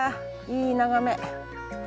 いい眺め。